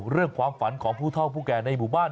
เรื่องความฝันของผู้เท่าผู้แก่ในหมู่บ้าน